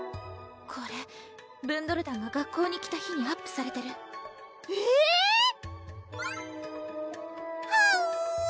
これブンドル団が学校に来た日にアップされてるえっ⁉はう！